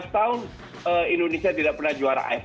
lima belas tahun indonesia tidak pernah juara aff